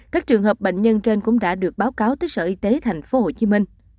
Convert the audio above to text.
các trường hợp bệnh nhân trên cũng đã được báo cáo tới sở y tế tp hcm